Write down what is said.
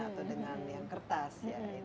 atau dengan yang kertas